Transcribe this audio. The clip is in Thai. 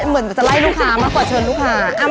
เหมือนจะไล่ลูกค้ามากดเชิญลูกค้า